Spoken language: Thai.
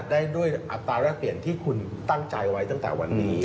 ได้ด้วยอัตราแรกเปลี่ยนที่คุณตั้งใจไว้ตั้งแต่วันนี้